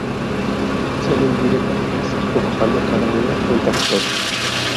Suele vivir en parejas, ocupando cada una un territorio.